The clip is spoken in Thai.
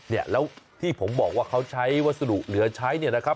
เนี่ยแล้วที่ผมบอกว่าเขาใช้วัสดุเหลือใช้เนี่ยนะครับ